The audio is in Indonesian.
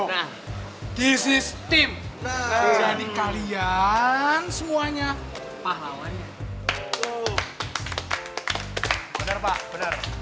nah disistem kalian semuanya pahlawan